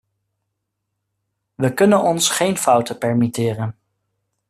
We kunnen ons geen fouten permitteren.